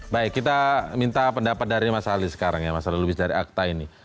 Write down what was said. baik kita minta pendapat dari mas ali sekarang ya mas ali lubis dari akta ini